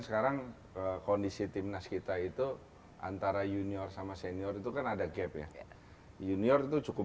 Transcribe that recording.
sekarang kondisi timnas kita itu antara junior sama senior itu kan ada gap ya junior itu cukup